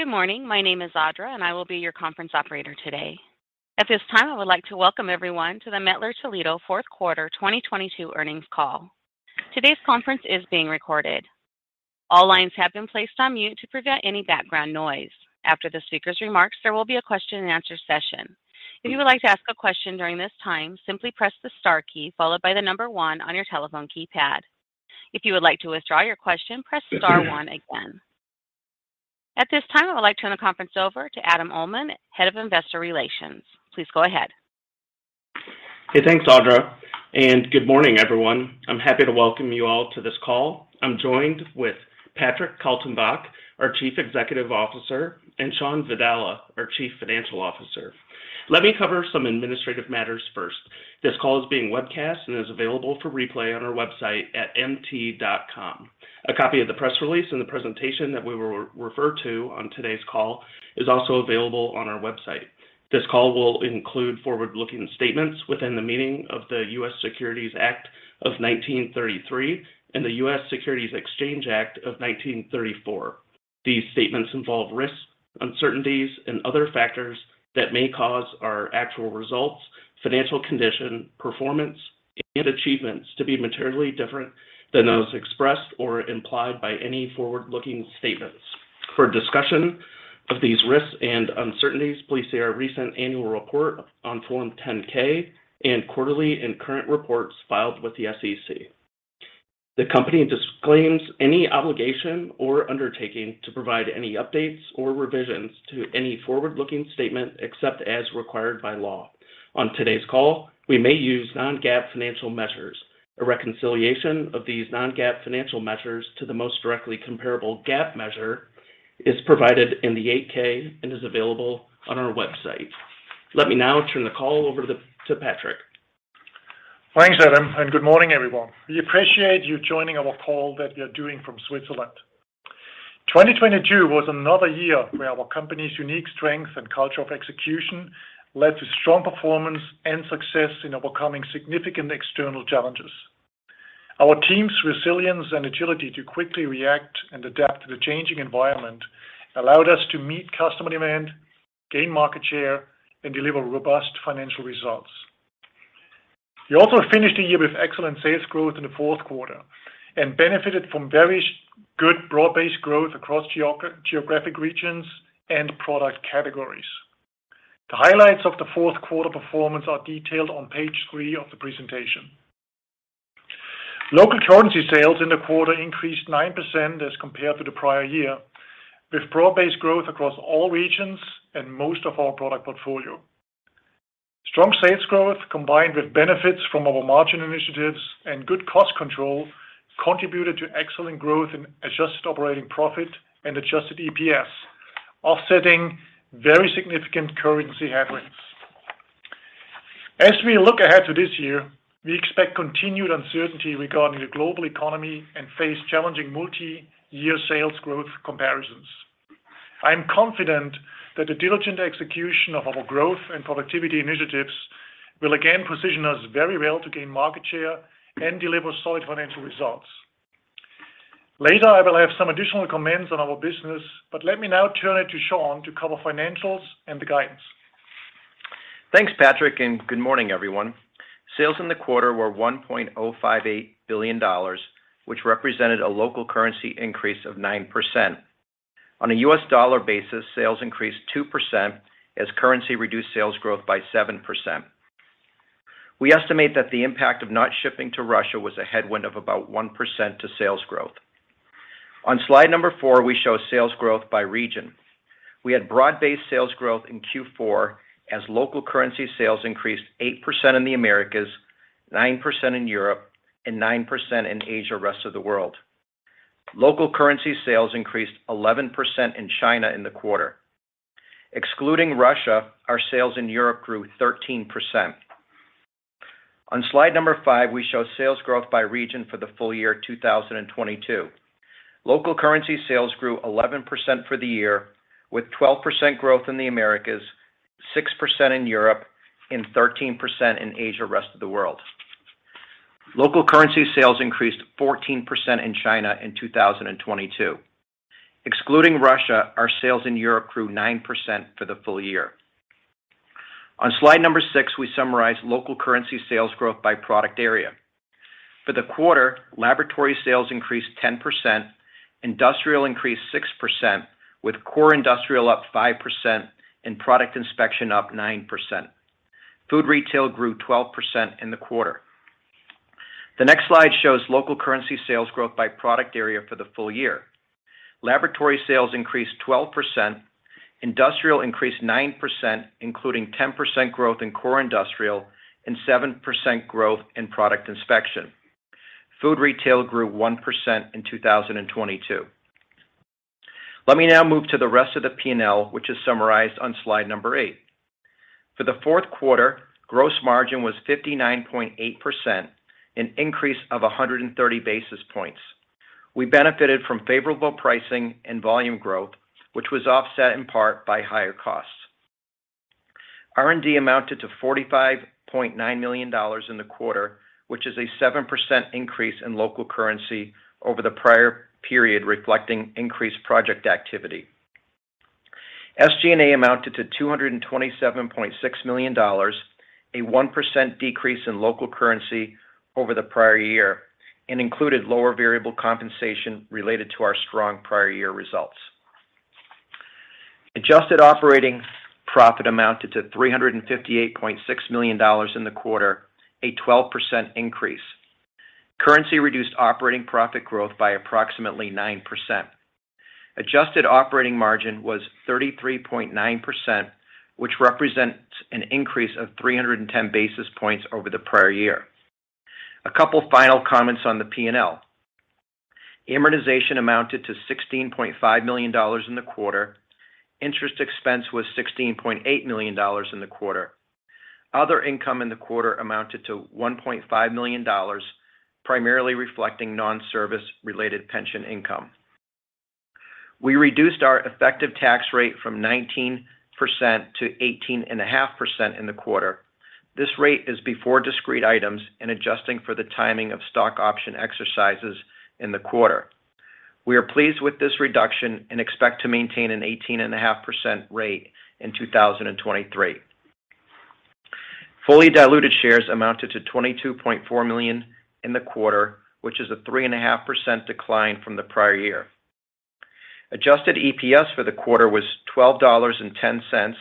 Good morning. My name is Audra, and I will be your conference operator today. At this time, I would like to welcome everyone to the Mettler-Toledo Fourth Quarter 2022 Earnings Call. Today's conference is being recorded. All lines have been placed on mute to prevent any background noise. After the speaker's remarks, there will be a question-and-answer session. If you would like to ask a question during this time, simply press the star key followed by one on your telephone keypad. If you would like to withdraw your question, press star one again. At this time, I would like to turn the conference over to Adam Uhlman, Head of Investor Relations. Please go ahead. Hey, thanks, Audra, and good morning, everyone. I'm happy to welcome you all to this call. I'm joined with Patrick Kaltenbach, our Chief Executive Officer, and Shawn Vadala, our Chief Financial Officer. Let me cover some administrative matters first. This call is being webcast and is available for replay on our website at mt.com. A copy of the press release and the presentation that we will refer to on today's call is also available on our website. This call will include forward-looking statements within the meaning of the U.S. Securities Act of 1933 and the U.S. Securities Exchange Act of 1934. These statements involve risks, uncertainties, and other factors that may cause our actual results, financial condition, performance, and achievements to be materially different than those expressed or implied by any forward-looking statements. For a discussion of these risks and uncertainties, please see our recent annual report on Form 10-K and quarterly and current reports filed with the SEC. The company disclaims any obligation or undertaking to provide any updates or revisions to any forward-looking statement except as required by law. On today's call, we may use non-GAAP financial measures. A reconciliation of these non-GAAP financial measures to the most directly comparable GAAP measure is provided in the 8-K and is available on our website. Let me now turn the call over to Patrick. Thanks, Adam, and good morning, everyone. We appreciate you joining our call that we are doing from Switzerland. 2022 was another year where our company's unique strength and culture of execution led to strong performance and success in overcoming significant external challenges. Our team's resilience and agility to quickly react and adapt to the changing environment allowed us to meet customer demand, gain market share, and deliver robust financial results. We also finished the year with excellent sales growth in the fourth quarter and benefited from very good broad-based growth across geographic regions and product categories. The highlights of the fourth quarter performance are detailed on Page 3 of the presentation. Local currency sales in the quarter increased 9% as compared to the prior-year, with broad-based growth across all regions and most of our product portfolio. Strong sales growth, combined with benefits from our margin initiatives and good cost control, contributed to excellent growth in adjusted operating profit and Adjusted EPS, offsetting very significant currency headwinds. As we look ahead to this year, we expect continued uncertainty regarding the global economy and face challenging multi-year sales growth comparisons. I am confident that the diligent execution of our growth and productivity initiatives will again position us very well to gain market share and deliver solid financial results. Later, I will have some additional comments on our business, let me now turn it to Shawn to cover financials and the guidance. Thanks, Patrick. Good morning, everyone. Sales in the quarter were $1.058 billion, which represented a Local Currency increase of 9%. On a U.S. dollar basis, sales increased 2% as currency reduced sales growth by 7%. We estimate that the impact of not shipping to Russia was a headwind of about 1% to sales growth. On Slide 4, we show sales growth by region. We had broad-based sales growth in Q4 as Local Currency sales increased 8% in the Americas, 9% in Europe, and 9% in Asia/rest of the world. Local Currency sales increased 11% in China in the quarter. Excluding Russia, our sales in Europe grew 13%. On Slide 5, we show sales growth by region for the full-year 2022. Local Currency sales grew 11% for the year, with 12% growth in the Americas, 6% in Europe, and 13% in Asia/rest of the world. Local Currency sales increased 14% in China in 2022. Excluding Russia, our sales in Europe grew 9% for the full-year. On Slide 6, we summarize Local Currency sales growth by product area. For the quarter, laboratory sales increased 10%, industrial increased 6%, with Core Industrial up 5% and Product Inspection up 9%. Food Retail grew 12% in the quarter. The next slide shows Local Currency sales growth by product area for the full-year. Laboratory sales increased 12%, industrial increased 9%, including 10% growth in Core Industrial and 7% growth in Product Inspection. Food Retail grew 1% in 2022. Let me now move to the rest of the P&L, which is summarized on Slide 8. For the fourth quarter, gross margin was 59.8%, an increase of 130 basis points. We benefited from favorable pricing and volume growth, which was offset in part by higher costs. R&D amounted to $45.9 million in the quarter, which is a 7% increase in Local Currency over the prior period, reflecting increased project activity. SG&A amounted to $227.6 million, a 1% decrease in Local Currency over the prior-year, included lower variable compensation related to our strong prior-year results. Adjusted operating profit amounted to $358.6 million in the quarter, a 12% increase. Currency reduced operating profit growth by approximately 9%. Adjusted operating margin was 33.9%, which represents an increase of 310 basis points over the prior-year. A couple final comments on the P&L. Amortization amounted to $16.5 million in the quarter. Interest expense was $16.8 million in the quarter. Other income in the quarter amounted to $1.5 million, primarily reflecting non-service related pension income. We reduced our effective tax rate from 19% to 18.5% in the quarter. This rate is before discrete items and adjusting for the timing of stock option exercises in the quarter. We are pleased with this reduction and expect to maintain an 18.5% rate in 2023. Fully diluted shares amounted to 22.4 million in the quarter, which is a 3.5% decline from the prior-year. Adjusted EPS for the quarter was $12.10,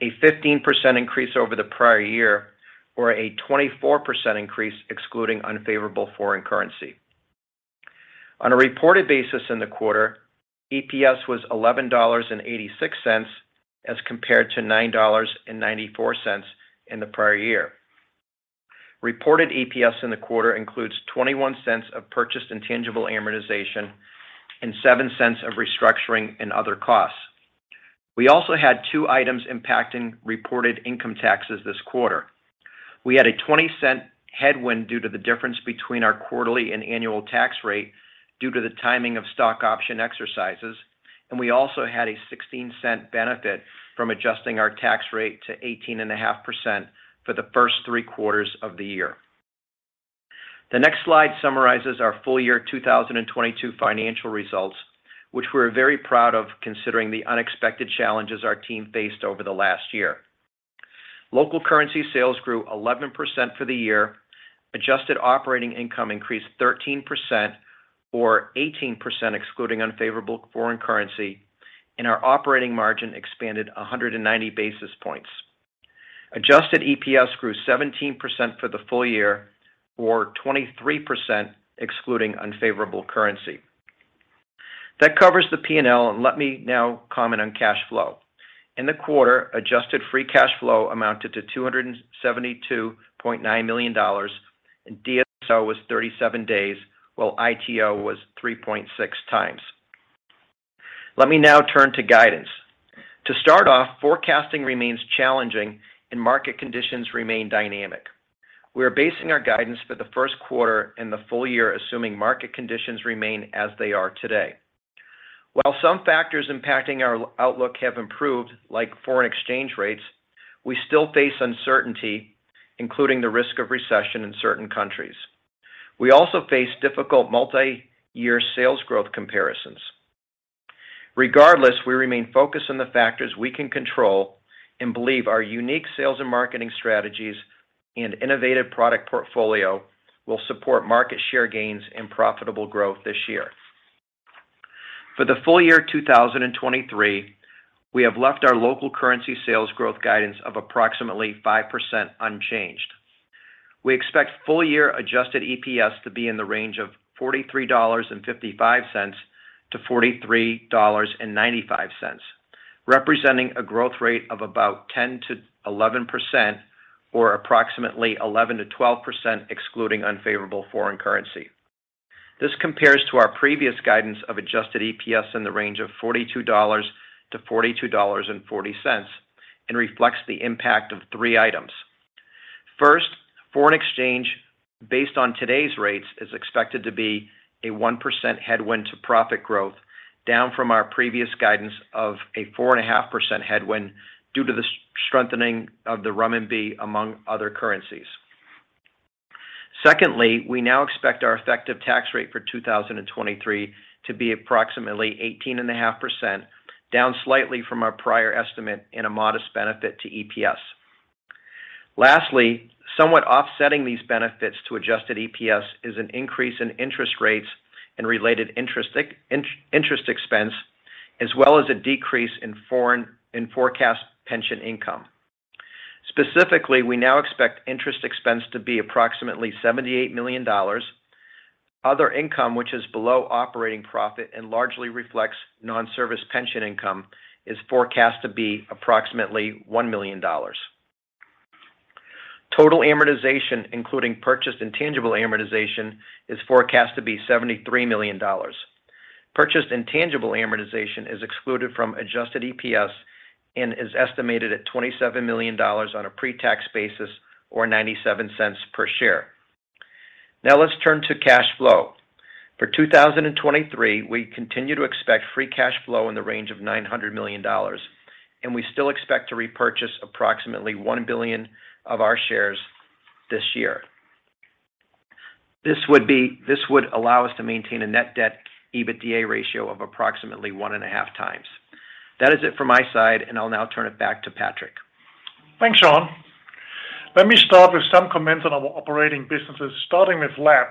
a 15% increase over the prior-year, or a 24% increase excluding unfavorable foreign currency. On a reported basis in the quarter, EPS was $11.86 as compared to $9.94 in the prior-year. Reported EPS in the quarter includes $0.21 of purchased intangible amortization and $0.07 of restructuring and other costs. We also had two items impacting reported income taxes this quarter. We had a $0.20 headwind due to the difference between our quarterly and annual tax rate due to the timing of stock option exercises, and we also had a $0.16 benefit from adjusting our tax rate to 18.5% for the first three quarters of the year. The next slide summarizes our full-year 2022 financial results, which we're very proud of, considering the unexpected challenges our team faced over the last year. Local Currency sales grew 11% for the year. Adjusted operating income increased 13% or 18%, excluding unfavorable foreign currency, and our operating margin expanded 190 basis points. Adjusted EPS grew 17% for the full-year or 23% excluding unfavorable currency. That covers the P&L, and let me now comment on cash flow. In the quarter, adjusted free cash flow amounted to $272.9 million, and DSO was 37 days, while ITO was 3.6x. Let me now turn to guidance. To start off, forecasting remains challenging and market conditions remain dynamic. We are basing our guidance for the first quarter and the full-year, assuming market conditions remain as they are today. While some factors impacting our outlook have improved, like foreign exchange rates, we still face uncertainty, including the risk of recession in certain countries. We also face difficult multi-year sales growth comparisons. Regardless, we remain focused on the factors we can control and believe our unique sales and marketing strategies and innovative product portfolio will support market share gains and profitable growth this year. For the full-year 2023, we have left our Local Currency sales growth guidance of approximately 5% unchanged. We expect full-year Adjusted EPS to be in the range of $43.55-$43.95, representing a growth rate of about 10%-11% or approximately 11%-12% excluding unfavorable foreign currency. This compares to our previous guidance of Adjusted EPS in the range of $42.00-$42.40 and reflects the impact of three items. First, foreign exchange based on today's rates is expected to be a 1% headwind to profit growth, down from our previous guidance of a 4.5% headwind due to the strengthening of the renminbi, among other currencies. Secondly, we now expect our effective tax rate for 2023 to be approximately 18.5%, down slightly from our prior estimate and a modest benefit to EPS. Lastly, somewhat offsetting these benefits to Adjusted EPS is an increase in interest rates and related interest expense, as well as a decrease in forecast pension income. Specifically, we now expect interest expense to be approximately $78 million. Other income, which is below operating profit and largely reflects non-service pension income, is forecast to be approximately $1 million. Total amortization, including purchased intangible amortization, is forecast to be $73 million. Purchased intangible amortization is excluded from Adjusted EPS and is estimated at $27 million on a pre-tax basis or $0.97 per share. Now let's turn to cash flow. For 2023, we continue to expect free cash flow in the range of $900 million, and we still expect to repurchase approximately $1 billion of our shares this year. This would allow us to maintain a net debt EBITDA ratio of approximately 1.5x. That is it for my side, and I'll now turn it back to Patrick. Thanks, Shawn. Let me start with some comments on our operating businesses, starting with Lab,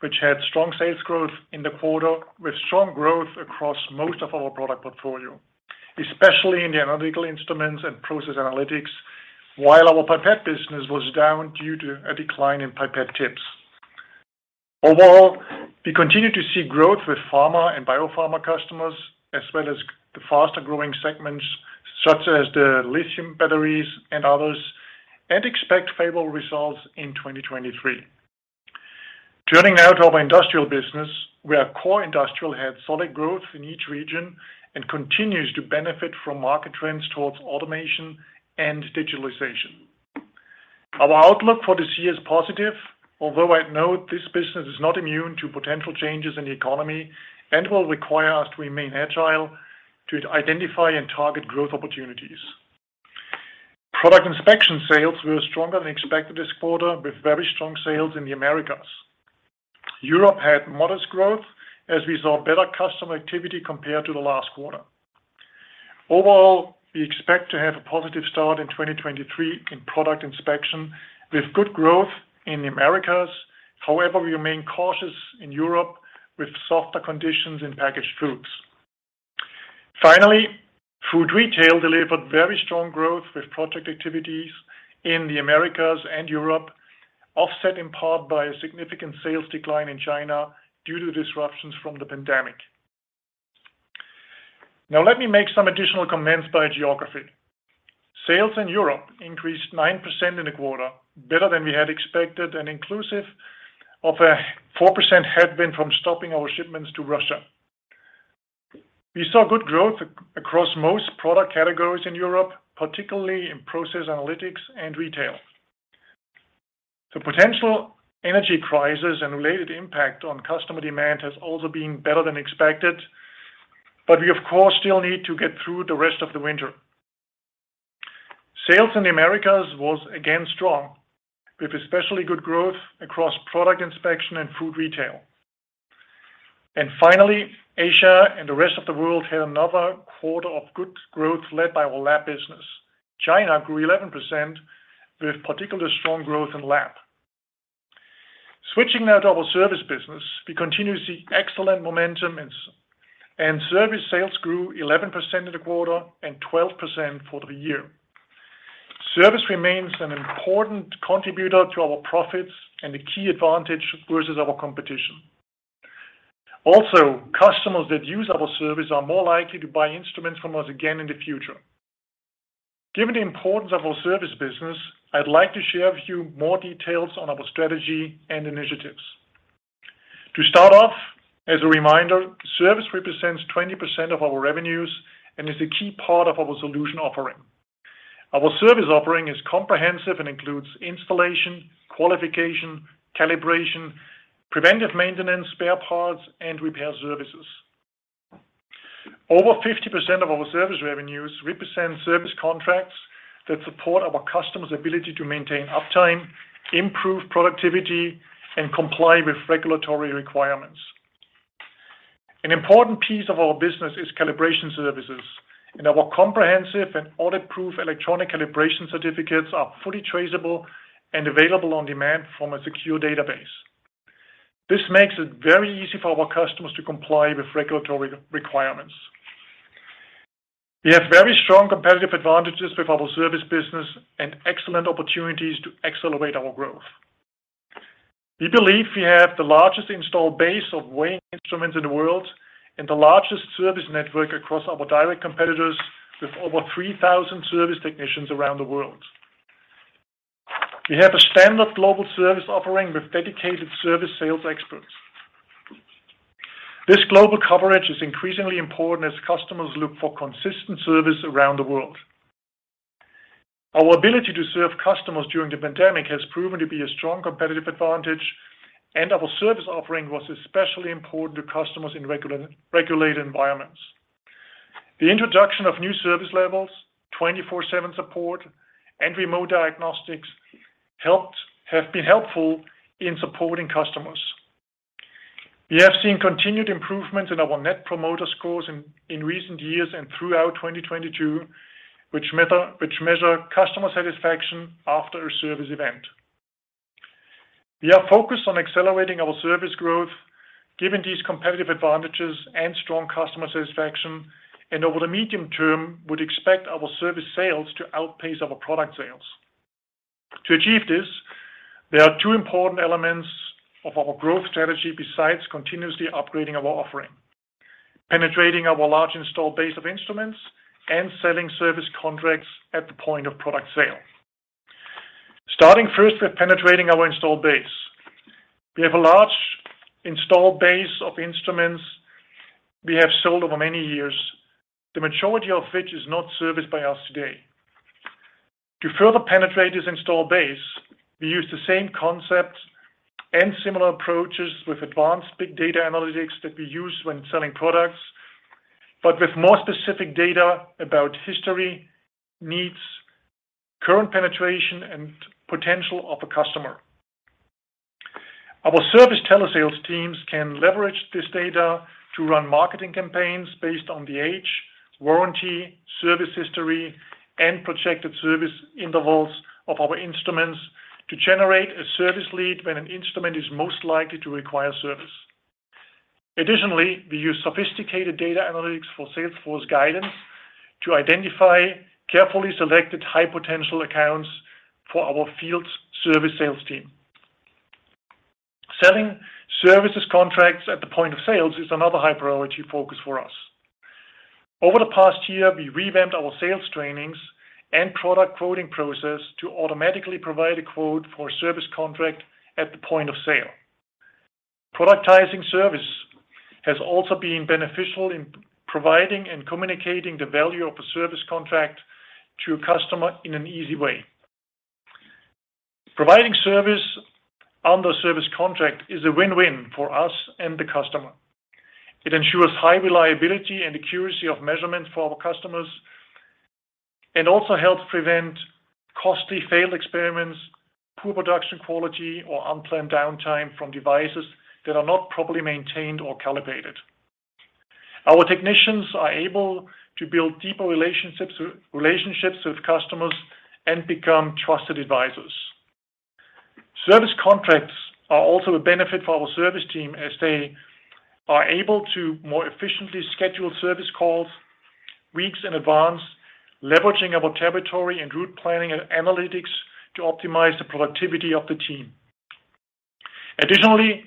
which had strong sales growth in the quarter, with strong growth across most of our product portfolio, especially in the Analytical Instruments and Process Analytics, while our pipette business was down due to a decline in pipette tips. Overall, we continue to see growth with pharma and biopharma customers, as well as the faster-growing segments such as the lithium batteries and others, and expect favorable results in 2023. Turning now to our Industrial business, where our Core Industrial had solid growth in each region and continues to benefit from market trends towards automation and digitalization. Our outlook for this year is positive, although I'd note this business is not immune to potential changes in the economy and will require us to remain agile to identify and target growth opportunities. Product Inspection sales were stronger than expected this quarter, with very strong sales in the Americas. Europe had modest growth as we saw better customer activity compared to the last quarter. Overall, we expect to have a positive start in 2023 in Product Inspection with good growth in the Americas. However, we remain cautious in Europe with softer conditions in packaged foods. Finally, Food Retail delivered very strong growth with project activities in the Americas and Europe, offset in part by a significant sales decline in China due to disruptions from the pandemic. Let me make some additional comments by geography. Sales in Europe increased 9% in the quarter, better than we had expected and inclusive of a 4% headwind from stopping our shipments to Russia. We saw good growth across most product categories in Europe, particularly in Process Analytics and retail. The potential energy crisis and related impact on customer demand has also been better than expected, we of course still need to get through the rest of the winter. Sales in the Americas was again strong, with especially good growth across Product Inspection and Food Retail. Finally, Asia and the rest of the world had another quarter of good growth led by our lab business. China grew 11% with particularly strong growth in lab. Switching now to our service business, we continue to see excellent momentum, and service sales grew 11% in the quarter and 12% for the year. Service remains an important contributor to our profits and a key advantage versus our competition. Customers that use our service are more likely to buy instruments from us again in the future. Given the importance of our service business, I'd like to share with you more details on our strategy and initiatives. To start off, as a reminder, service represents 20% of our revenues and is a key part of our solution offering. Our service offering is comprehensive and includes installation, qualification, calibration, preventive maintenance, spare parts, and repair services. Over 50% of our service revenues represent service contracts that support our customers' ability to maintain uptime, improve productivity, and comply with regulatory requirements. An important piece of our business is calibration services, and our comprehensive and audit-proof electronic calibration certificates are fully traceable and available on demand from a secure database. This makes it very easy for our customers to comply with regulatory requirements. We have very strong competitive advantages with our service business and excellent opportunities to accelerate our growth. We believe we have the largest installed base of weighing instruments in the world and the largest service network across our direct competitors with over 3,000 service technicians around the world. We have a standard global service offering with dedicated service sales experts. This global coverage is increasingly important as customers look for consistent service around the world. Our ability to serve customers during the pandemic has proven to be a strong competitive advantage, and our service offering was especially important to customers in regulated environments. The introduction of new service levels, 24/7 support, and remote diagnostics have been helpful in supporting customers. We have seen continued improvement in our Net Promoter Scores in recent years and throughout 2022, which measure customer satisfaction after a service event. We are focused on accelerating our service growth given these competitive advantages and strong customer satisfaction. Over the medium term, would expect our service sales to outpace our product sales. To achieve this, there are two important elements of our growth strategy besides continuously upgrading our offering: penetrating our large installed base of instruments and selling service contracts at the point of product sale. Starting first with penetrating our installed base. We have a large installed base of instruments we have sold over many years, the majority of which is not serviced by us today. To further penetrate this installed base, we use the same concept and similar approaches with advanced big data analytics that we use when selling products, but with more specific data about history, needs, current penetration, and potential of a customer. Our service telesales teams can leverage this data to run marketing campaigns based on the age, warranty, service history, and projected service intervals of our instruments to generate a service lead when an instrument is most likely to require service. Additionally, we use sophisticated data analytics for sales force guidance to identify carefully selected high-potential accounts for our field service sales team. Selling services contracts at the point of sales is another high-priority focus for us. Over the past year, we revamped our sales trainings and product quoting process to automatically provide a quote for a service contract at the point of sale. Productizing service has also been beneficial in providing and communicating the value of a service contract to a customer in an easy way. Providing service on the service contract is a win-win for us and the customer. It ensures high reliability and accuracy of measurement for our customers and also helps prevent costly failed experiments, poor production quality, or unplanned downtime from devices that are not properly maintained or calibrated. Our technicians are able to build deeper relationships with customers and become trusted advisors. Service contracts are also a benefit for our service team as they are able to more efficiently schedule service calls weeks in advance, leveraging our territory and route planning and analytics to optimize the productivity of the team. Additionally,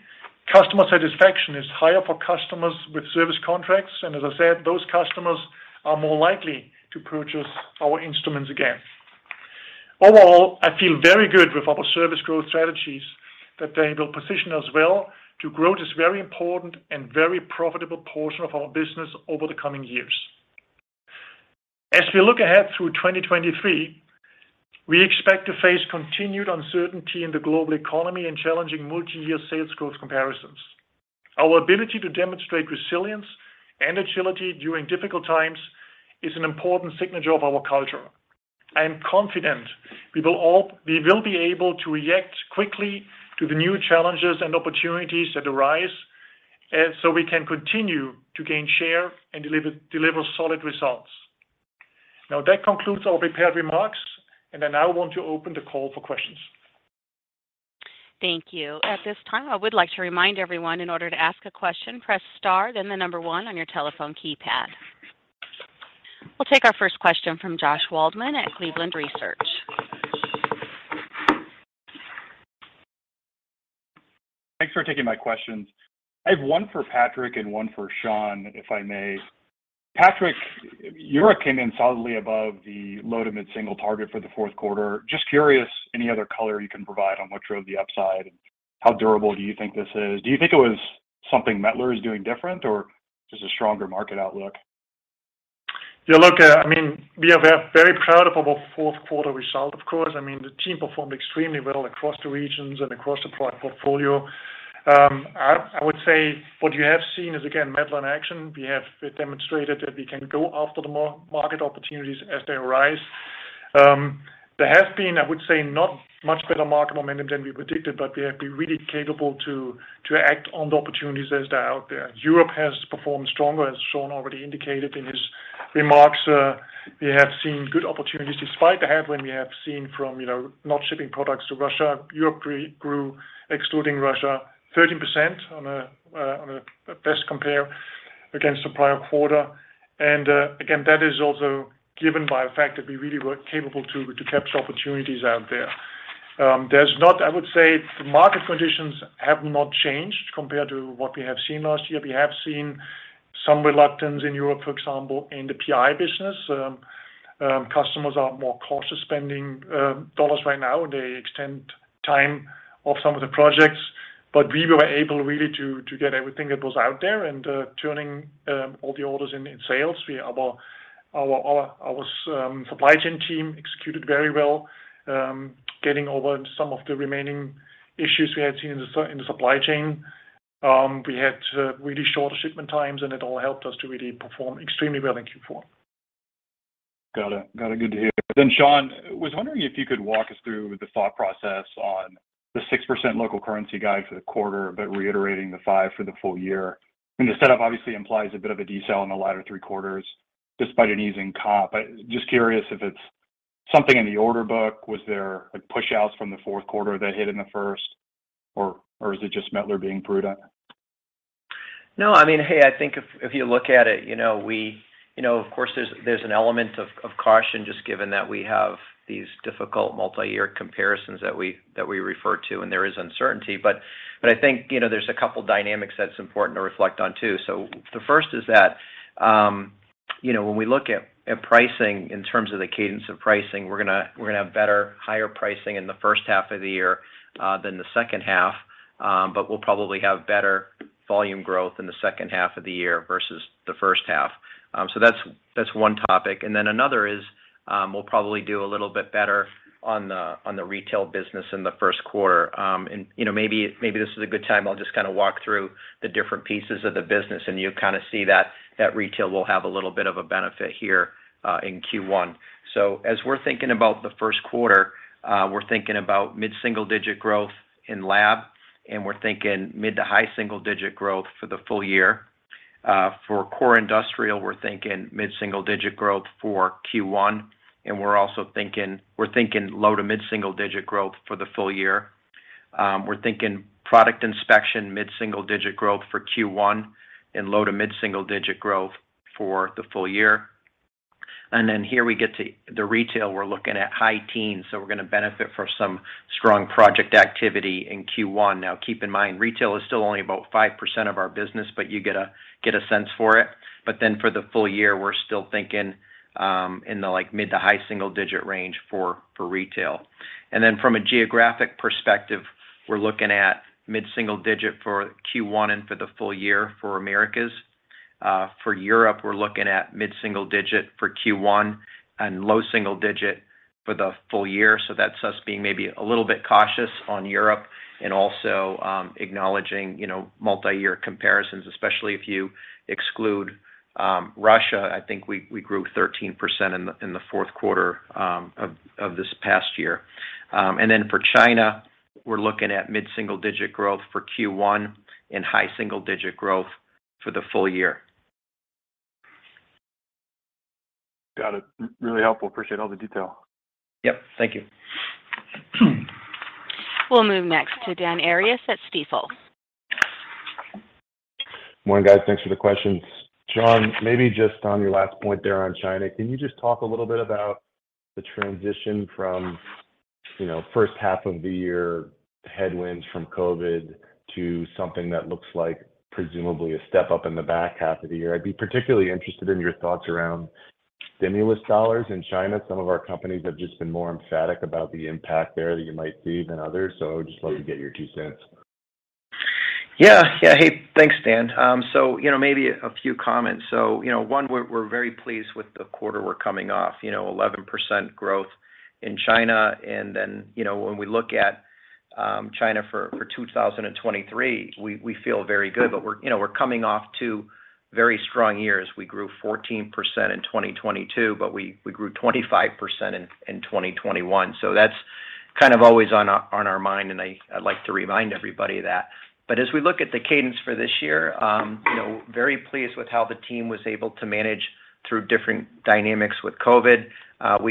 customer satisfaction is higher for customers with service contracts, and as I said, those customers are more likely to purchase our instruments again. Overall, I feel very good with our service growth strategies that they will position us well to grow this very important and very profitable portion of our business over the coming years. As we look ahead through 2023, we expect to face continued uncertainty in the global economy and challenging multi-year sales growth comparisons. Our ability to demonstrate resilience and agility during difficult times is an important signature of our culture. I am confident we will be able to react quickly to the new challenges and opportunities that arise, we can continue to gain share and deliver solid results. That concludes our prepared remarks, I now want to open the call for questions. Thank you. At this time, I would like to remind everyone in order to ask a question, press star, then the number one on your telephone keypad. We'll take our first question from Josh Waldman at Cleveland Research. Thanks for taking my questions. I have one for Patrick and one for Shawn, if I may. Patrick, your opinion solidly above the low to mid-single target for the fourth quarter. Just curious, any other color you can provide on what drove the upside? How durable do you think this is? Do you think it was something Mettler is doing different or just a stronger market outlook? Yeah, look, I mean, we are very proud of our fourth quarter result, of course. I mean, the team performed extremely well across the regions and across the product portfolio. I would say what you have seen is, again, Mettler in action. We have demonstrated that we can go after the market opportunities as they arise. There has been, I would say, not much better market momentum than we predicted, but we have been really capable to act on the opportunities as they're out there. Europe has performed stronger, as Shawn already indicated in his remarks. We have seen good opportunities despite the headwind we have seen from, you know, not shipping products to Russia. Europe re-grew, excluding Russia, 13% on a best compare against the prior quarter. Again, that is also given by the fact that we really were capable to capture opportunities out there. I would say the market conditions have not changed compared to what we have seen last year. We have seen some reluctance in Europe, for example, in the PI business. Customers are more cautious spending dollars right now. They extend time of some of the projects. We were able really to get everything that was out there and turning all the orders in sales. Our supply chain team executed very well getting over some of the remaining issues we had seen in the supply chain. We had really shorter shipment times, it all helped us to really perform extremely well in Q4. Got it. Got it. Good to hear. Shawn, was wondering if you could walk us through the thought process on the 6% Local Currency guide for the quarter, but reiterating the 5% for the full-year. The setup obviously implies a bit of a detail in the latter three quarters despite an easing comp. Just curious if it's something in the order book. Was there, like, pushouts from the 4th quarter that hit in the 1st or is it just Mettler-Toledo being prudent? No, I mean, hey, I think if you look at it, you know, we, you know, of course, there's an element of caution just given that we have these difficult multi-year comparisons that we refer to, and there is uncertainty. I think, you know, there's a couple dynamics that's important to reflect on too. The first is that, you know, when we look at pricing in terms of the cadence of pricing, we're gonna have better, higher pricing in the first half of the year than the second half. We'll probably have better volume growth in the second half of the year versus the first half. That's one topic. Another is, we'll probably do a little bit better on the retail business in the first quarter. You know, maybe this is a good time. I'll just kind of walk through the different pieces of the business, and you'll kind of see that retail will have a little bit of a benefit here in Q1. As we're thinking about the first quarter, we're thinking about mid-single digit % growth in Lab, and we're thinking mid to high single digit % growth for the full-year. For Core Industrial, we're thinking mid-single digit % growth for Q1, and we're also thinking low to mid-single digit % growth for the full-year. We're thinking Product Inspection mid-single digit % growth for Q1 and low to mid-single digit % growth for the full-year. Then here we get to the retail. We're looking at high teens %, so we're gonna benefit from some strong project activity in Q1. Keep in mind, retail is still only about 5% of our business, but you get a sense for it. For the full-year, we're still thinking, in the, like, mid to high single digit range for retail. From a geographic perspective, we're looking at mid-single digit for Q1 and for the full-year for Americas. For Europe, we're looking at mid-single digit for Q1 and low single digit for the full-year. That's us being maybe a little bit cautious on Europe and also acknowledging, you know, multi-year comparisons, especially if you exclude Russia. I think we grew 13% in the fourth quarter of this past year. For China, we're looking at mid-single digit growth for Q1 and high single digit growth for the full-year. Got it. Really helpful. Appreciate all the detail. Yep. Thank you. We'll move next to Dan Arias at Stifel. Morning, guys. Thanks for the questions. Shawn, maybe just on your last point there on China, can you just talk a little bit about the transition from, you know, first half of the year headwinds from COVID to something that looks like presumably a step up in the back half of the year? I'd be particularly interested in your thoughts around stimulus dollars in China. Some of our companies have just been more emphatic about the impact there that you might see than others, so I would just love to get your two cents. Yeah. Yeah. Hey, thanks, Dan. You know, maybe a few comments. You know, one, we're very pleased with the quarter we're coming off, you know, 11% growth in China. You know, when we look at China for 2023, we feel very good. We're, you know, we're coming off two very strong years. We grew 14% in 2022, but we grew 25% in 2021. That's kind of always on our mind, and I'd like to remind everybody that. As we look at the cadence for this year, you know, very pleased with how the team was able to manage through different dynamics with COVID.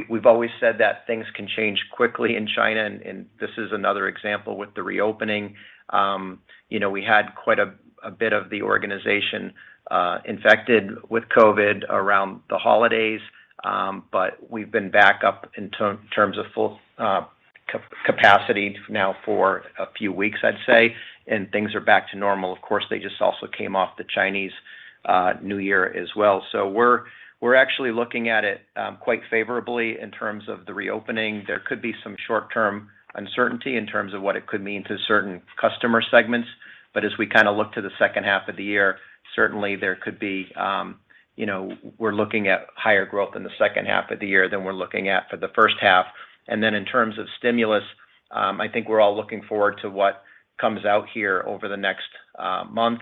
We've always said that things can change quickly in China, and this is another example with the reopening. You know, we had quite a bit of the organization infected with COVID around the holidays, but we've been back up in terms of full capacity now for a few weeks, I'd say, and things are back to normal. Of course, they just also came off the Chinese New Year as well. We're actually looking at it quite favorably in terms of the reopening. There could be some short-term uncertainty in terms of what it could mean to certain customer segments. As we kind of look to the second half of the year, certainly there could be, you know, we're looking at higher growth in the second half of the year than we're looking at for the first half. In terms of stimulus, I think we're all looking forward to what comes out here over the next month,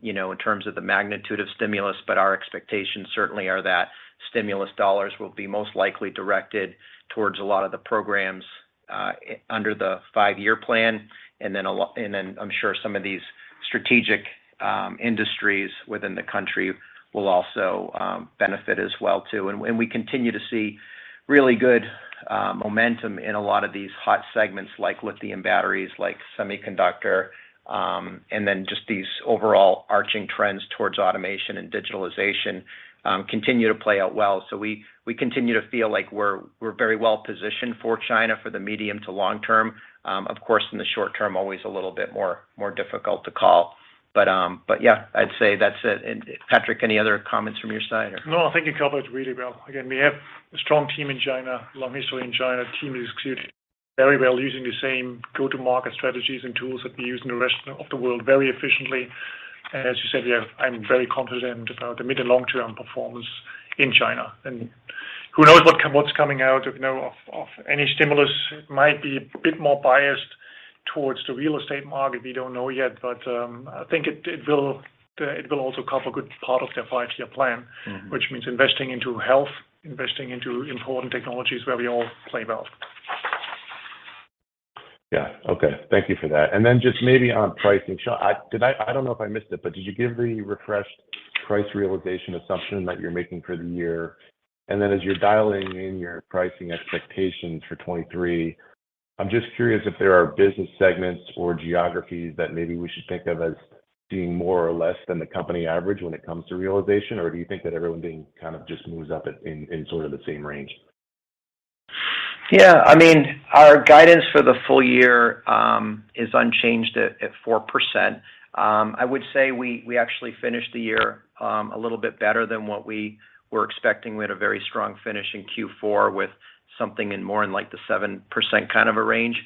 you know, in terms of the magnitude of stimulus. Our expectations certainly are that stimulus dollars will be most likely directed towards a lot of the programs under the Five-Year Plan. Then I'm sure some of these strategic industries within the country will also benefit as well too. We continue to see really good momentum in a lot of these hot segments like lithium batteries, like semiconductor, and then just these overall arching trends towards automation and digitalization continue to play out well. We continue to feel like we're very well positioned for China for the medium to long term. Of course, in the short term, always a little bit more difficult to call. yeah, I'd say that's it. Patrick, any other comments from your side? No, I think you covered really well. Again, we have a strong team in China, long history in China. Team has executed very well using the same go-to-market strategies and tools that we use in the rest of the world very efficiently. As you said, yeah, I'm very confident about the mid and long-term performance in China. Who knows what's coming out of, you know, of any stimulus might be a bit more biased towards the real estate market. We don't know yet, but I think it will also cover a good part of their Five-Year Plan. Which means investing into health, investing into important technologies where we all play well. Yeah. Okay. Thank you for that. Just maybe on pricing. Shawn, I don't know if I missed it, but did you give the refreshed price realization assumption that you're making for the year? As you're dialing in your pricing expectations for 23, I'm just curious if there are business segments or geographies that maybe we should think of as being more or less than the company average when it comes to realization. Do you think that everyone being kind of just moves up in sort of the same range? Yeah. I mean, our guidance for the full-year is unchanged at 4%. I would say we actually finished the year a little bit better than what we were expecting. We had a very strong finish in Q4 with something in more in like the 7% kind of a range.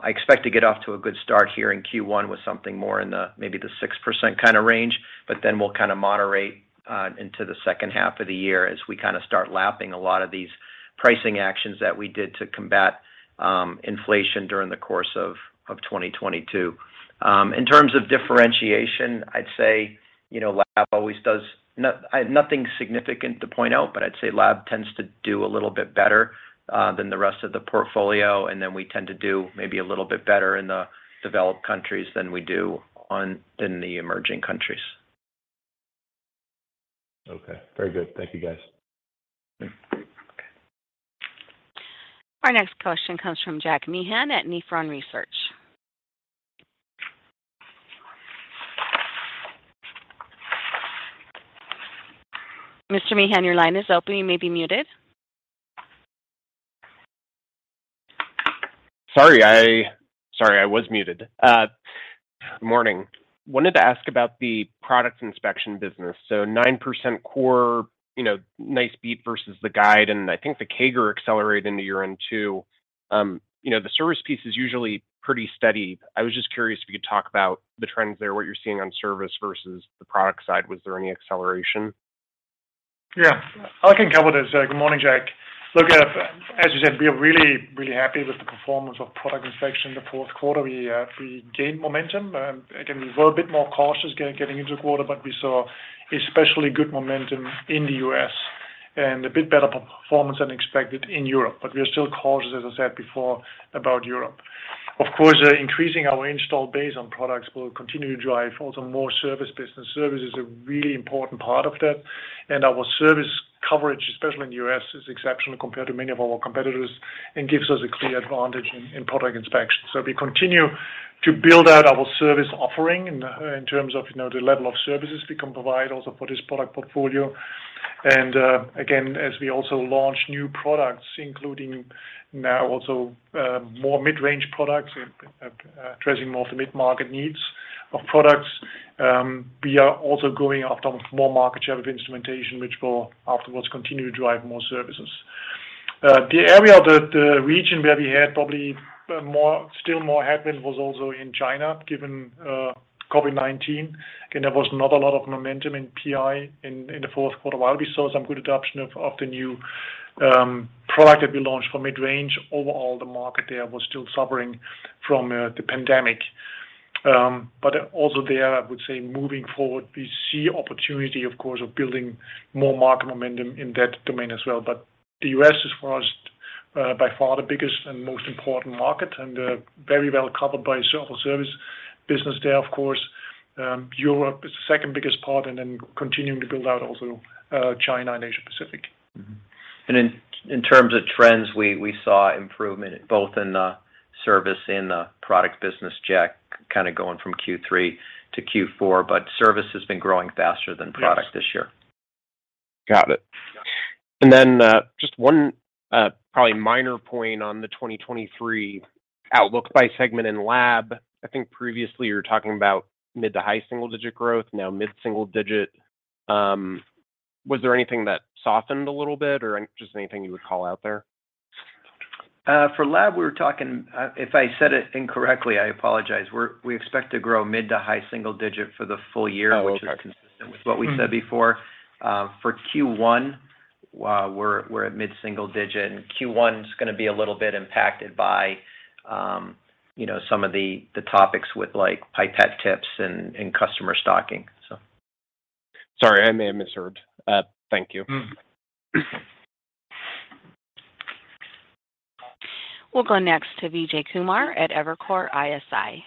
I expect to get off to a good start here in Q1 with something more in the maybe the 6% kinda range, but then we'll kinda moderate into the second half of the year as we kinda start lapping a lot of these pricing actions that we did to combat inflation during the course of 2022. In terms of differentiation, I'd say, you know, lab always does. I have nothing significant to point out, but I'd say lab tends to do a little bit better than the rest of the portfolio, and then we tend to do maybe a little bit better in the developed countries than we do in the emerging countries. Okay. Very good. Thank you, guys. Okay. Our next question comes from Jack Meehan at Nephron Research. Mr. Meehan, your line is open. You may be muted. Sorry, I was muted. Morning. Wanted to ask about the Product Inspection business. 9% core, you know, nice beat versus the guide, and I think the CAGR accelerated into year-end too. you know, the service piece is usually pretty steady. I was just curious if you could talk about the trends there, what you're seeing on service versus the product side. Was there any acceleration? I can cover this. Good morning, Jack. Look, as you said, we are really, really happy with the performance of Product Inspection in the fourth quarter. We gained momentum. Again, we were a bit more cautious getting into the quarter, but we saw especially good momentum in the U.S. and a bit better performance than expected in Europe. We are still cautious, as I said before, about Europe. Of course, increasing our install base on products will continue to drive also more service business. Service is a really important part of that, and our service coverage, especially in the U.S., is exceptional compared to many of our competitors and gives us a clear advantage in Product Inspection. We continue to build out our service offering in terms of, you know, the level of services we can provide also for this product portfolio. Again, as we also launch new products, including now also more mid-range products, addressing more of the mid-market needs of products, we are also going after more market share of instrumentation, which will afterwards continue to drive more services. The area, the region where we had probably more, still more happen was also in China, given COVID-19. Again, there was not a lot of momentum in PI in the fourth quarter. While we saw some good adoption of the new product that we launched for mid-range, overall the market there was still suffering from the pandemic. Also there, I would say moving forward, we see opportunity, of course, of building more market momentum in that domain as well. The U.S. is for us, by far the biggest and most important market and, very well covered by several service business there, of course. Europe is the second biggest part, and then continuing to build out also, China and Asia Pacific. In terms of trends, we saw improvement both in the service and the product business, Jack, kinda going from Q3 to Q4, but service has been growing faster than product this year. Got it. Yeah. Then, just one, probably minor point on the 2023 outlook by segment in Lab. I think previously you were talking about mid-to-high single-digit % growth, now mid-single-digit %. Was there anything that softened a little bit or just anything you would call out there? For lab, if I said it incorrectly, I apologize. We expect to grow mid to high single digit for the full-year— Oh, okay. Which is consistent with what we said before. For Q1, we're at mid-single digit, and Q1's gonna be a little bit impacted by, you know, some of the topics with like pipette tips and customer stocking, so. Sorry, I may have misheard. Thank you. We'll go next to Vijay Kumar at Evercore ISI.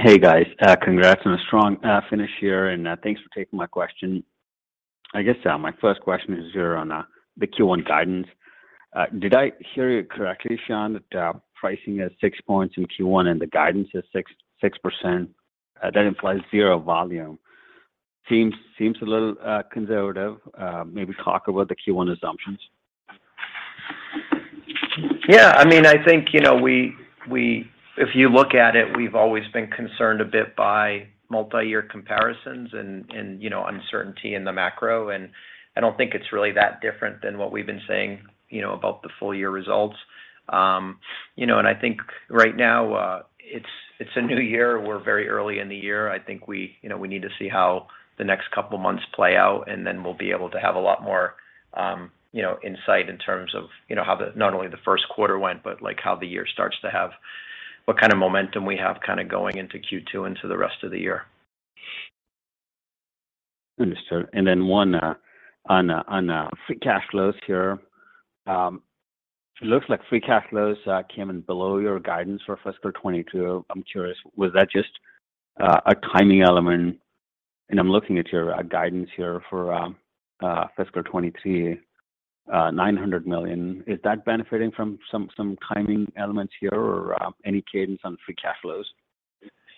Hey, guys. Congrats on a strong finish here, thanks for taking my question. I guess, my first question is here on the Q1 guidance. Did I hear you correctly, Shawn, that pricing is 6 points in Q1 and the guidance is 6%? That implies zero volume. Seems a little conservative. Maybe talk about the Q1 assumptions. I mean, I think, you know, we If you look at it, we've always been concerned a bit by multi-year comparisons and, you know, uncertainty in the macro, and I don't think it's really that different than what we've been saying, you know, about the full-year results. You know, I think right now, it's a new year. We're very early in the year. I think we, you know, we need to see how the next couple of months play out, and then we'll be able to have a lot more, you know, insight in terms of, you know, how the, not only the first quarter went, but like how the year starts to have, what kind of momentum we have kinda going into Q2 into the rest of the year. Understood. Then one, on free cash flows here. It looks like free cash flows, came in below your guidance for fiscal 2022. I'm curious, was that just, a timing element? I'm looking at your, guidance here for, fiscal 2022 $900 million. Is that benefiting from some timing elements here or, any cadence on free cash flows?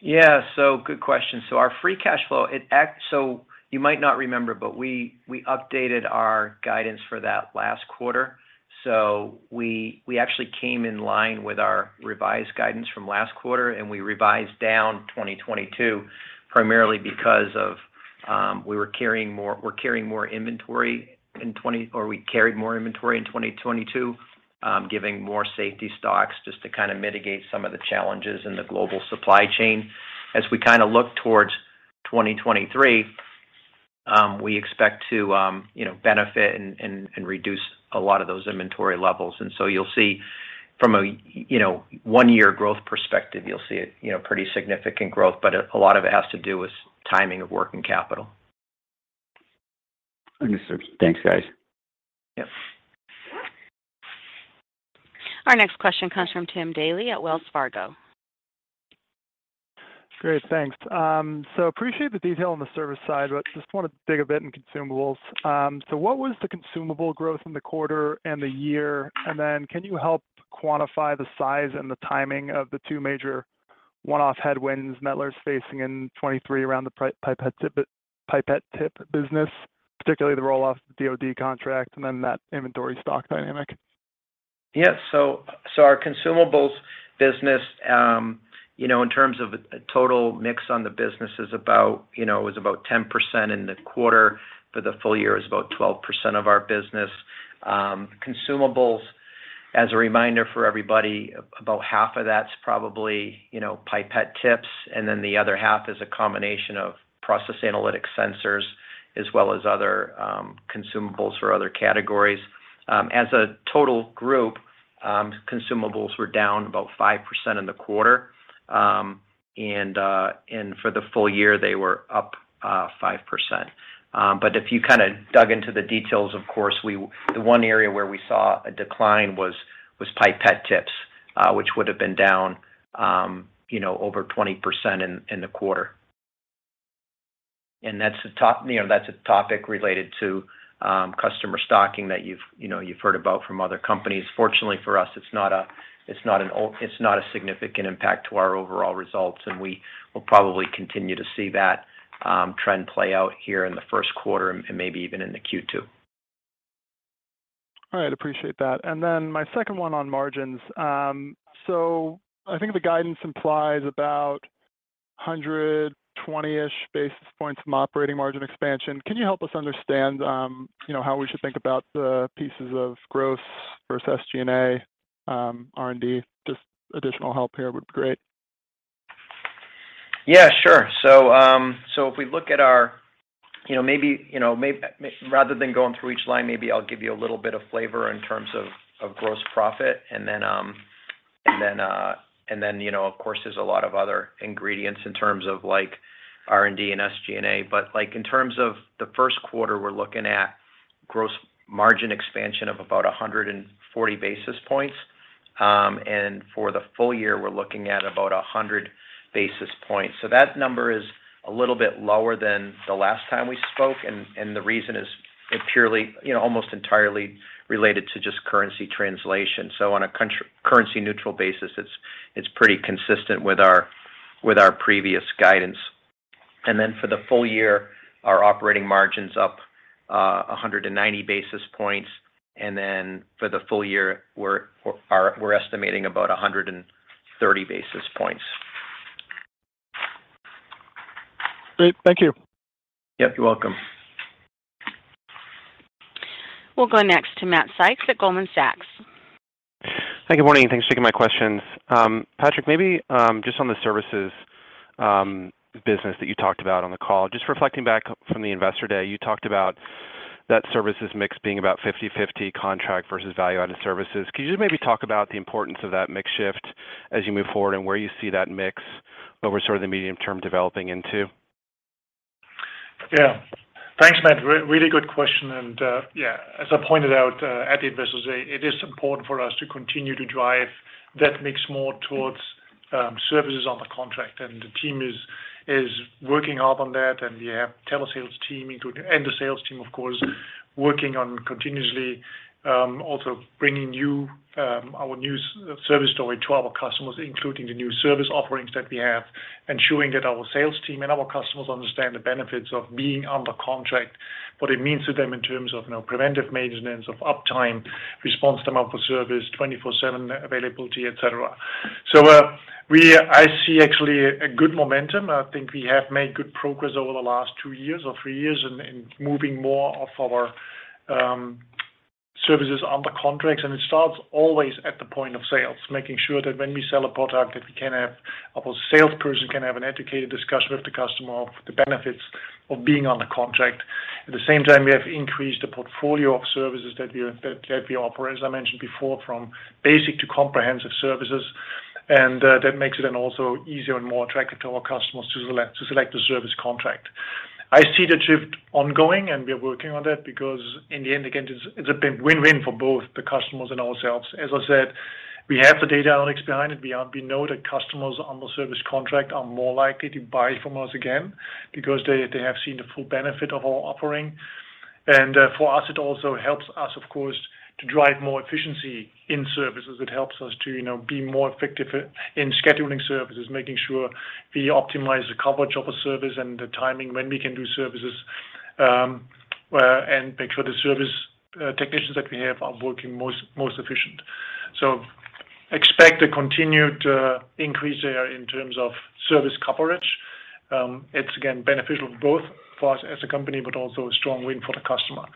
Yeah. Good question. Our free cash flow, you might not remember, but we updated our guidance for that last quarter. We actually came in line with our revised guidance from last quarter, and we revised down 2022 primarily because of we carried more inventory in 2022, giving more safety stocks just to kind of mitigate some of the challenges in the global supply chain. As we kind of look towards 2023, we expect to, you know, benefit and reduce a lot of those inventory levels. You'll see from a you know, one-year growth perspective, you'll see a, you know, pretty significant growth, but a lot of it has to do with timing of working capital. Okay, sir. Thanks, guys. Yep. Our next question comes from Timothy Daley at Wells Fargo. Great. Thanks. Appreciate the detail on the service side, but just wanna dig a bit in consumables. What was the consumable growth in the quarter and the year? Can you help quantify the size and the timing of the two major one-off headwinds Mettler is facing in 2023 around the pipette tip business, particularly the roll-off DoD contract and then that inventory stock dynamic? Our consumables business, in terms of total mix on the business is about, it was about 10% in the quarter, for the full-year is about 12% of our business. Consumables, as a reminder for everybody, about half of that's probably pipette tips, and then the other half is a combination of Process Analytics sensors as well as other consumables for other categories. As a total group, consumables were down about 5% in the quarter. For the full-year, they were up 5%. If you kinda dug into the details, of course, the one area where we saw a decline was pipette tips, which would have been down over 20% in the quarter. That's a top, you know, that's a topic related to customer stocking that you've, you know, you've heard about from other companies. Fortunately for us, it's not a, it's not a significant impact to our overall results, and we will probably continue to see that trend play out here in the first quarter and maybe even in the Q2. All right. Appreciate that. My second one on margins. I think the guidance implies about 120-ish basis points from operating margin expansion. Can you help us understand, you know, how we should think about the pieces of growth versus SG&A, R&D? Just additional help here would be great. Yeah, sure. If we look at our, you know, maybe, you know, rather than going through each line, maybe I'll give you a little bit of flavor in terms of gross profit. Then, you know, of course, there's a lot of other ingredients in terms of like R&D and SG&A. Like, in terms of the first quarter, we're looking at gross margin expansion of about 140 basis points. For the full-year, we're looking at about 100 basis points. That number is a little bit lower than the last time we spoke, and the reason is it purely, you know, almost entirely related to just currency translation. On a currency neutral basis, it's pretty consistent with our, with our previous guidance. For the full-year, our operating margin's up, 190 basis points. For the full-year, we're estimating about 130 basis points. Great. Thank you. Yep, you're welcome. We'll go next to Matt Sykes at Goldman Sachs. Thank you. Morning, and thanks for taking my questions. Patrick, maybe, just on the services business that you talked about on the call. Just reflecting back from the Investor Day, you talked about that services mix being about 50/50 contract versus value-added services. Could you just maybe talk about the importance of that mix shift as you move forward and where you see that mix over sort of the medium term developing into? Thanks, Matt. Really good question. As I pointed out at the Investor Day, it is important for us to continue to drive that mix more towards services on the contract. The team is working hard on that. We have telesales team including the sales team, of course, working on continuously also bringing new our new service story to our customers, including the new service offerings that we have, ensuring that our sales team and our customers understand the benefits of being under contract, what it means to them in terms of, you know, preventive maintenance, of uptime, response time of the service, 24/7 availability, et cetera. I see actually a good momentum. I think we have made good progress over the last two years or three years in moving more of our services under contracts. It starts always at the point of sales, making sure that when we sell a product, a salesperson can have an educated discussion with the customer of the benefits of being on a contract. At the same time, we have increased the portfolio of services that we offer, as I mentioned before, from basic to comprehensive services. That makes it then also easier and more attractive to our customers to select the service contract. I see the shift ongoing. We are working on that because in the end, again, it's a win-win for both the customers and ourselves. As I said. We have the data analytics behind it. We know that customers on the service contract are more likely to buy from us again because they have seen the full benefit of our offering. For us, it also helps us, of course, to drive more efficiency in services. It helps us to, you know, be more effective in scheduling services, making sure we optimize the coverage of a service and the timing when we can do services, and make sure the service technicians that we have are working most efficient. Expect a continued increase there in terms of service coverage. It's again, beneficial both for us as a company, but also a strong win for the customer.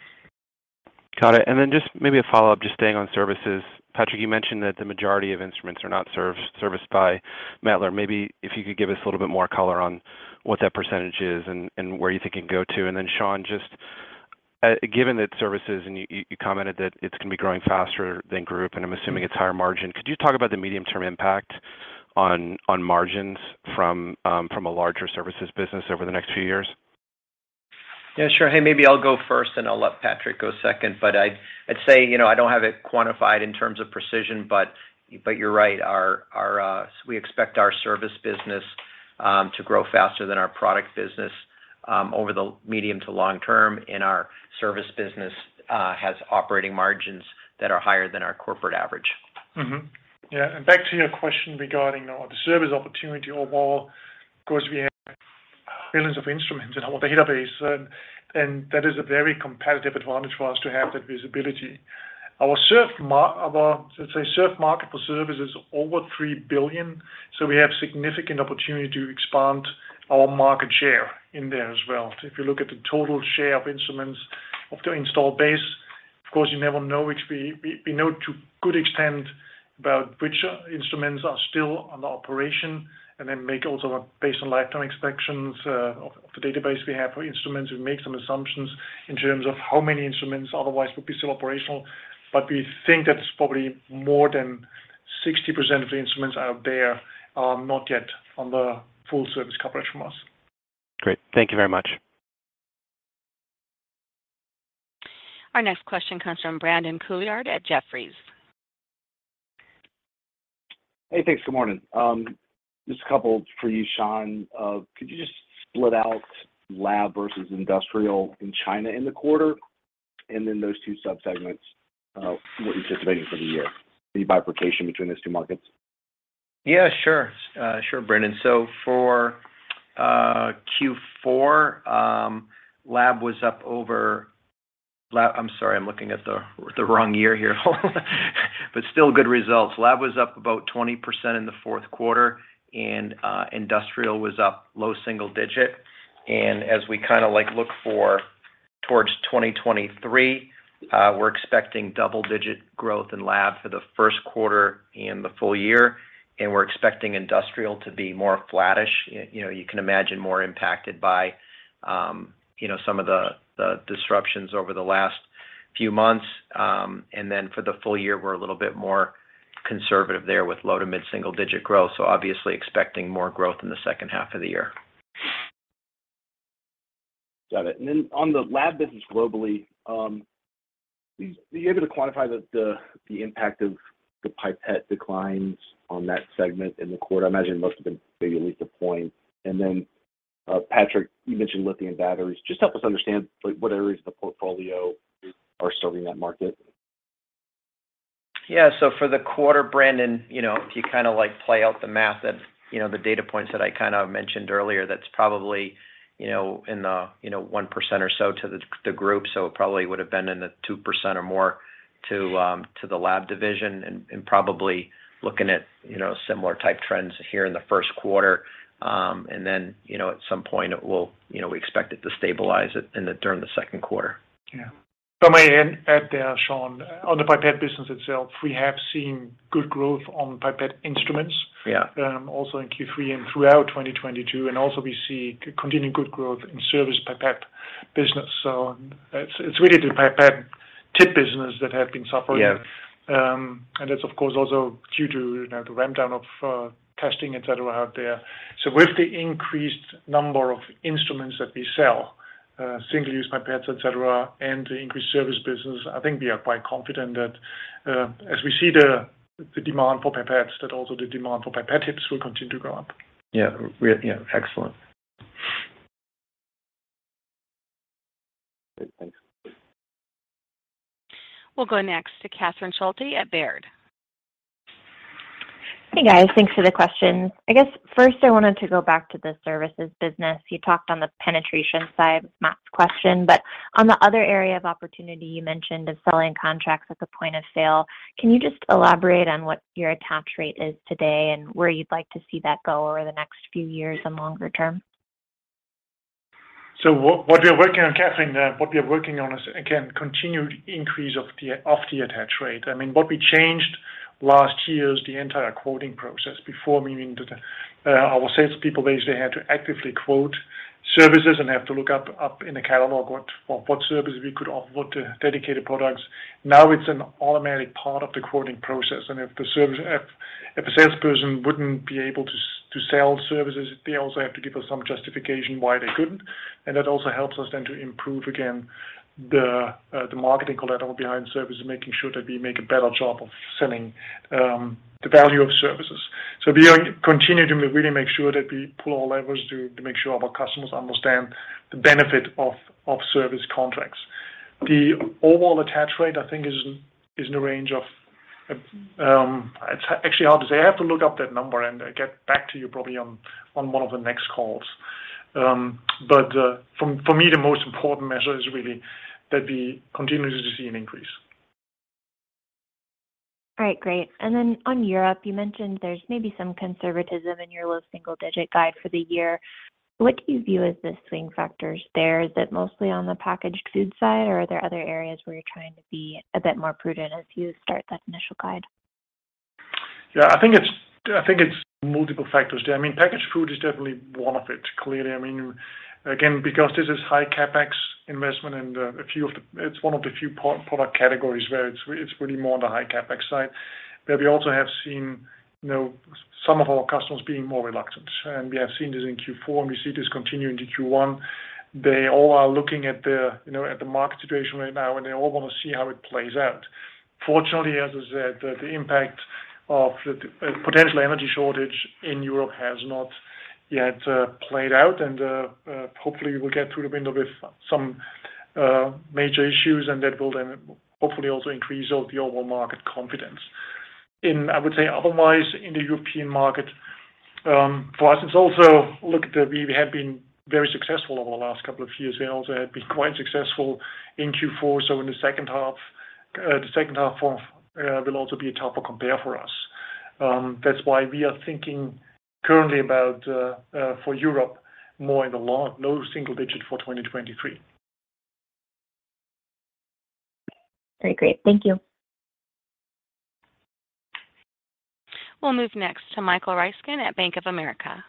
Got it. Just maybe a follow-up, just staying on services. Patrick, you mentioned that the majority of instruments are not serviced by Mettler. Maybe if you could give us a little bit more color on what that percentage is and where you think it can go to. Shawn, just given that services, and you commented that it's gonna be growing faster than group, and I'm assuming it's higher margin, could you talk about the medium-term impact on margins from a larger services business over the next few years? Yeah, sure. Hey, maybe I'll go first, I'll let Patrick go second. I'd say, you know, I don't have it quantified in terms of precision, but you're right. We expect our service business to grow faster than our product business over the medium to long term, and our service business has operating margins that are higher than our corporate average. Yeah. Back to your question regarding the service opportunity overall, of course, we have billions of instruments in our database, and that is a very competitive advantage for us to have that visibility. Our, let's say, served market for service is over 3 billion, so we have significant opportunity to expand our market share in there as well. If you look at the total share of instruments of the install base, of course, you never know which we know to good extent about which instruments are still on the operation, and then make also based on lifetime expectations of the database we have for instruments, we make some assumptions in terms of how many instruments otherwise would be still operational. we think that it's probably more than 60% of the instruments out there are not yet on the full service coverage from us. Great. Thank you very much. Our next question comes from Brandon Couillard at Jefferies. Hey, thanks. Good morning. Just a couple for you, Shawn. Could you just split out lab versus industrial in China in the quarter, and then those two subsegments, what you're anticipating for the year? Any bifurcation between those two markets? Yeah, sure. Sure, Brandon. For Q4, lab was up over—I'm sorry, I'm looking at the wrong year here, but still good results. Lab was up about 20% in the fourth quarter, industrial was up low single digit. As we kinda like look for towards 2023, we're expecting double digit growth in lab for the first quarter and the full-year, and we're expecting industrial to be more flattish. You know, you can imagine more impacted by, you know, some of the disruptions over the last few months. For the full-year, we're a little bit more conservative there with low to mid-single digit growth. Obviously expecting more growth in the second half of the year. Got it. On the lab business globally, are you able to quantify the impact of the pipette declines on that segment in the quarter? I imagine most of them, maybe at least a point. Patrick, you mentioned lithium batteries. Just help us understand like what areas of the portfolio are serving that market. For the quarter, Brandon, you know, if you kinda like play out the math that, you know, the data points that I kinda mentioned earlier, that's probably, you know, in the, you know, 1% or so to the group. It probably would have been in the 2% or more to the lab division and probably looking at, you know, similar type trends here in the first quarter. Then, you know, at some point it will, you know, we expect it to stabilize it during the second quarter. Yeah. If I may add there, Shawn. On the pipette business itself, we have seen good growth on pipette instruments also in Q3 and throughout 2022. We see continuing good growth in service pipette business. It's really the pipette tip business that have been suffering. Yeah. That's of course, also due to, you know, the ramp down of testing, et cetera, out there. With the increased number of instruments that we sell, single-use pipettes, et cetera, and the increased service business, I think we are quite confident that, as we see the demand for pipettes, that also the demand for pipette tips will continue to go up. Yeah. Yeah, excellent. We'll go next to Catherine Schulte at Baird. Hey, guys. Thanks for the questions. I guess first I wanted to go back to the services business. You talked on the penetration side with Matt's question, on the other area of opportunity you mentioned of selling contracts at the point of sale, can you just elaborate on what your attach rate is today and where you'd like to see that go over the next few years and longer term? What we are working on, Catherine, what we are working on is, again, continued increase of the attach rate. I mean, what we changed last year is the entire quoting process. Before, meaning that our salespeople basically had to actively quote services and have to look up in a catalog for what services we could offer, what dedicated products. Now it's an automatic part of the quoting process. If a salesperson wouldn't be able to sell services, they also have to give us some justification why they couldn't. That also helps us then to improve again the marketing collateral behind service and making sure that we make a better job of selling the value of services. We are continuing to really make sure that we pull all levers to make sure our customers understand the benefit of service contracts. The overall attach rate, I think is in the range of. Actually, I have to look up that number and get back to you probably on one of the next calls. For me, the most important measure is really that we continue to see an increase. All right, great. On Europe, you mentioned there's maybe some conservatism in your low single-digit guide for the year. What do you view as the swing factors there? Is it mostly on the packaged food side or are there other areas where you're trying to be a bit more prudent as you start that initial guide? I think it's multiple factors there. I mean, packaged food is definitely one of it, clearly. I mean, again, because this is high CapEx investment and it's one of the few pro-product categories where it's really more on the high CapEx side. We also have seen, you know, some of our customers being more reluctant. We have seen this in Q4, and we see this continue into Q1. They all are looking at the, you know, at the market situation right now, and they all want to see how it plays out. Fortunately, as I said, the impact of the potential energy shortage in Europe has not yet played out. Hopefully, we'll get through the window with some major issues, and that will then hopefully also increase all the overall market confidence. I would say otherwise in the European market, for us, it's also look at the we have been very successful over the last couple of years. We also have been quite successful in Q4, so in the second half will also be a tougher compare for us. That's why we are thinking currently about for Europe more in the low, low single digit for 2023. Very great. Thank you. We'll move next to Michael Ryskin at Bank of America.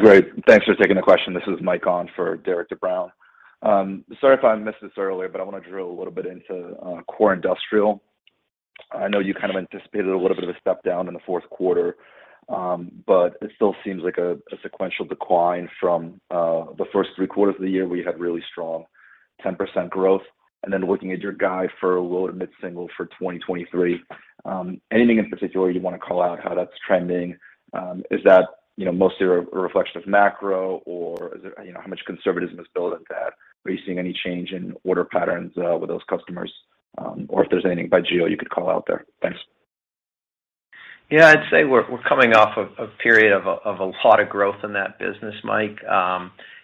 Great. Thanks for taking the question. This is Michael Ryskin on for Derik De Bruin. Sorry if I missed this earlier, I wanna drill a little bit into Core Industrial. I know you kind of anticipated a little bit of a step down in the fourth quarter, it still seems like a sequential decline from the first three quarters of the year where you had really strong 10% growth. Looking at your guide for low to mid-single for 2023, anything in particular you wanna call out how that's trending? Is that, you know, mostly a reflection of macro or is it, you know, how much conservatism is built into that? Are you seeing any change in order patterns with those customers? If there's anything by geo you could call out there? Thanks. I'd say we're coming off of a period of a lot of growth in that business, Mike.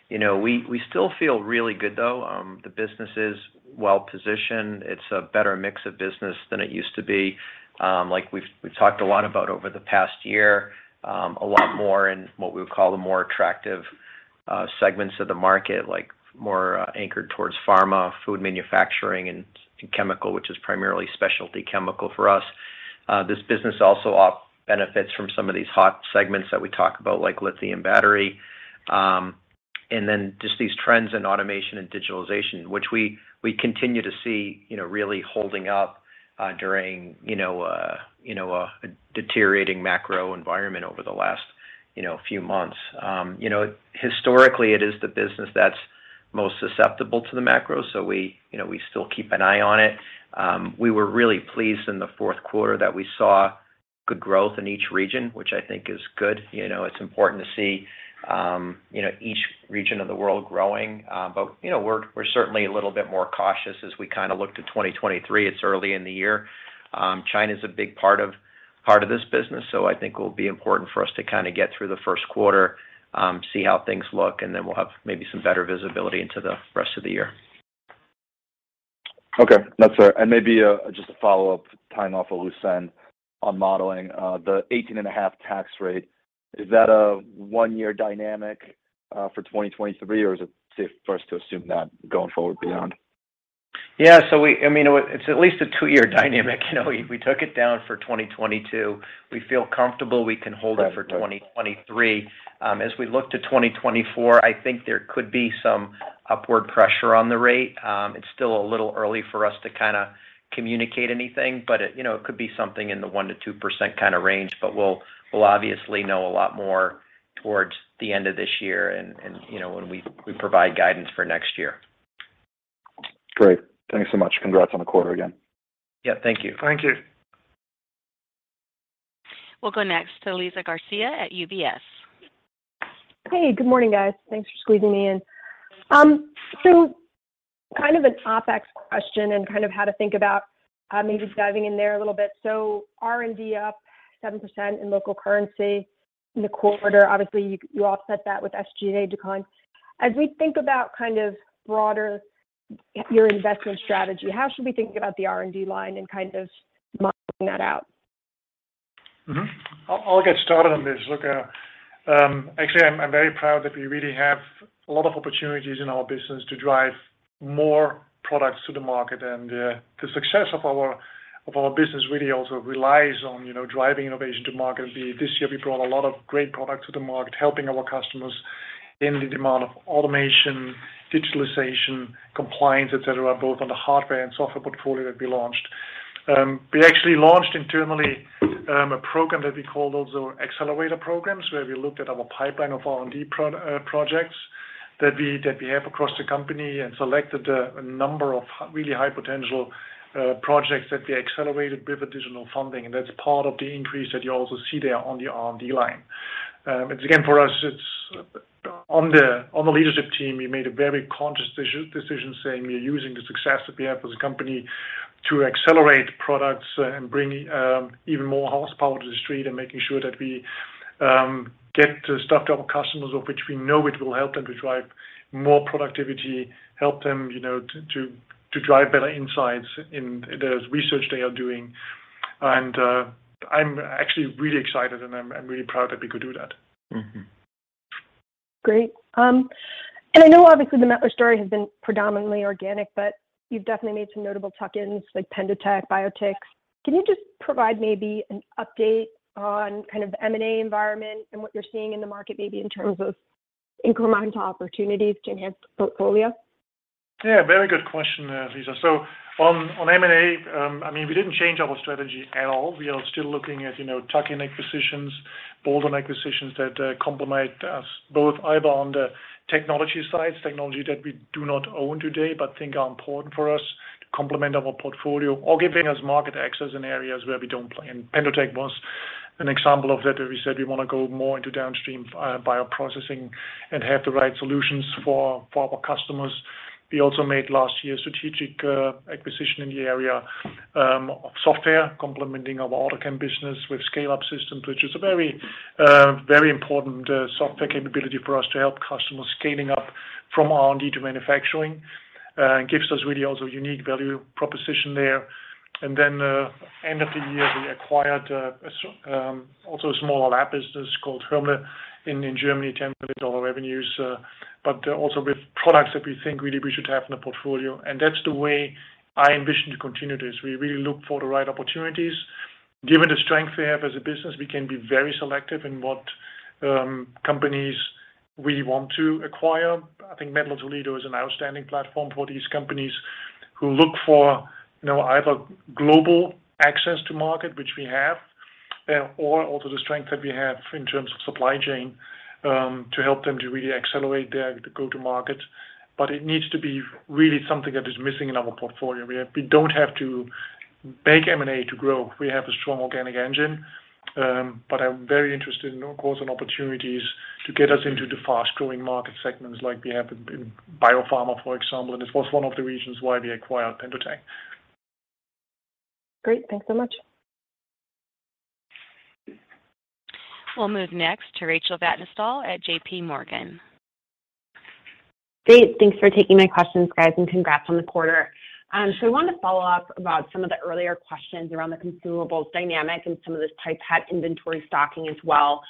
You know, we still feel really good, though. The business is well-positioned. It's a better mix of business than it used to be. Like we've talked a lot about over the past year, a lot more in what we would call the more attractive segments of the market, like more anchored towards pharma, food manufacturing, and chemical, which is primarily specialty chemical for us. This business also benefits from some of these hot segments that we talk about, like lithium battery. Just these trends in automation and digitalization, which we continue to see, you know, really holding up during, you know, a deteriorating macro environment over the last, you know, few months. You know, historically, it is the business that's most susceptible to the macro, so we, you know, we still keep an eye on it. We were really pleased in the Q4 that we saw good growth in each region, which I think is good. You know, it's important to see, you know, each region of the world growing. You know, we're certainly a little bit more cautious as we kinda look to 2023. It's early in the year. China's a big part of this business, so I think it will be important for us to kind of get through the first quarter, see how things look, and then we'll have maybe some better visibility into the rest of the year. Okay. That's fair. Maybe, just a follow-up tying off a loose end on modeling. The 18.5% tax rate, is that a one-year dynamic for 2023, or is it safe for us to assume that going forward beyond? Yeah. I mean, it's at least a two-year dynamic. You know, we took it down for 2022. We feel comfortable we can hold it for 2023. As we look to 2024, I think there could be some upward pressure on the rate. It's still a little early for us to kinda communicate anything, but, you know, it could be something in the 1%-2% kinda range. We'll obviously know a lot more towards the end of this year and, you know, when we provide guidance for next year. Great. Thanks so much. Congrats on the quarter again. Yeah, thank you. Thank you. We'll go next to Liza Garcia at UBS. Hey, good morning, guys. Thanks for squeezing me in. Kind of an OpEx question and kind of how to think about maybe diving in there a little bit. R&D up 7% in Local Currency in the quarter. Obviously, you offset that with SG&A decline. As we think about kind of broader your investment strategy, how should we think about the R&D line and kind of modeling that out? I'll get started on this. Look, actually, I'm very proud that we really have a lot of opportunities in our business to drive more products to the market. The success of our business really also relies on, you know, driving innovation to market. This year, we brought a lot of great products to the market, helping our customers in the demand of automation, digitalization, compliance, et cetera, both on the hardware and software portfolio that we launched. We actually launched internally a program that we call also Accelerator Programs, where we looked at our pipeline of R&D projects that we have across the company and selected a number of really high potential projects that we accelerated with additional funding. That's part of the increase that you also see there on the R&D line. It's again, for us, it's on the, on the leadership team, we made a very conscious decision saying we're using the success that we have as a company to accelerate products and bring even more horsepower to the street and making sure that we get the stuff to our customers of which we know it will help them to drive more productivity, help them, you know, to drive better insights in the research they are doing. I'm actually really excited, and I'm really proud that we could do that. Great. I know obviously the Mettler story has been predominantly organic, but you've definitely made some notable tuck-ins like PendoTECH, Biotix. Can you just provide maybe an update on kind of the M&A environment and what you're seeing in the market, maybe in terms of incremental opportunities to enhance the portfolio? Yeah. Very good question, Liza. On M&A, I mean, we didn't change our strategy at all. We are still looking at, you know, tuck-in acquisitions, bolt-on acquisitions that complement us both either on the technology sides, technology that we do not own today, but think are important for us to complement our portfolio or giving us market access in areas where we don't play. PendoTECH was an example of that, where we said we wanna go more into downstream bio processing and have the right solutions for our customers. We also made last year strategic acquisition in the area of software complementing our AutoChem business with Scale-up Systems, which is a very important software capability for us to help customers scaling up from R&D to manufacturing. It gives us really also unique value proposition there. End of the year, we acquired also a small lab business called Hörle in Germany, $10 million revenues, but also with products that we think really we should have in the portfolio. That's the way I envision to continue this. We really look for the right opportunities. Given the strength we have as a business, we can be very selective in what companies we want to acquire. I think Mettler-Toledo is an outstanding platform for these companies who look for, you know, either global access to market, which we have, or also the strength that we have in terms of supply chain to help them to really accelerate their go-to market. It needs to be really something that is missing in our portfolio. We don't have to beg M&A to grow. We have a strong organic engine. I'm very interested in, of course, on opportunities to get us into the fast-growing market segments like we have in biopharma, for example. This was one of the reasons why we acquired PendoTECH. Great. Thanks so much. We'll move next to Rachel Vatnsdal at J.P. Morgan. Great. Thanks for taking my questions, guys, and congrats on the quarter. I wanted to follow up about some of the earlier questions around the consumables dynamic and some of this pipette inventory stocking as well.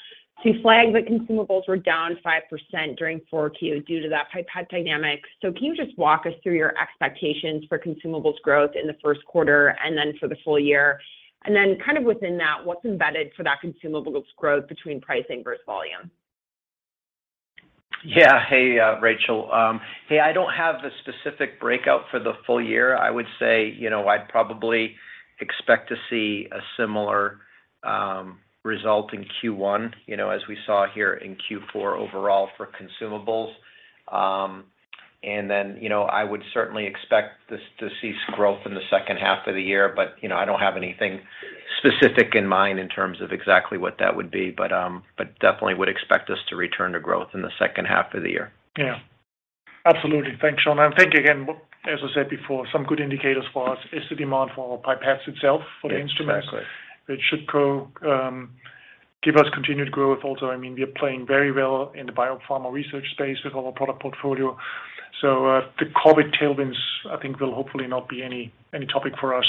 To flag, the consumables were down 5% during Q4 due to that pipette dynamic. Can you just walk us through your expectations for consumables growth in the first quarter and then for the full-year? Kind of within that, what's embedded for that consumables growth between pricing versus volume? Yeah. Hey, Rachel. Hey, I don't have the specific breakout for the full-year. I would say, you know, I'd probably expect to see a similar result in Q1, you know, as we saw here in Q4 overall for consumables. You know, I would certainly expect this to see growth in the second half of the year. You know, I don't have anything specific in mind in terms of exactly what that would be. Definitely would expect us to return to growth in the second half of the year. Yeah. Absolutely. Thanks, Shawn. I think, again, as I said before, some good indicators for us is the demand for our pipettes itself for the instruments. Exactly. It should go, give us continued growth also. I mean, we are playing very well in the biopharma research space with our product portfolio. The COVID tailwinds, I think, will hopefully not be any topic for us,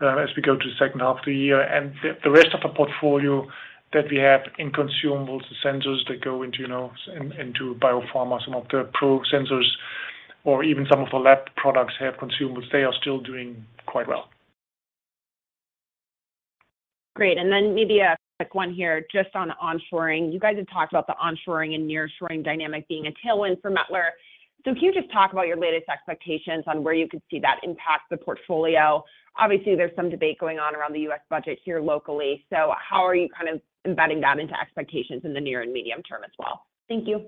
as we go to the second half of the year. The, the rest of the portfolio that we have in consumables, the sensors that go into, you know, into biopharma, some of the probe sensors or even some of the lab products have consumables, they are still doing quite well. Great. Then maybe a quick one here just on onshoring. You guys have talked about the onshoring and nearshoring dynamic being a tailwind for Mettler. Can you just talk about your latest expectations on where you could see that impact the portfolio? Obviously, there's some debate going on around the U.S. budget here locally. How are you kind of embedding that into expectations in the near and medium term as well? Thank you.